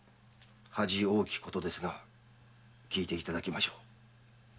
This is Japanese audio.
恥多きことですが聞いていただきましょう。